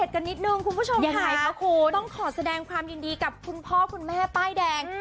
คุณผู้ชมค่ะต้องขอแสดงความยินดีกับคุณพ่อคุณแม่ป้ายแดง